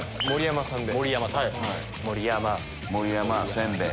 「盛山」「せんべい」。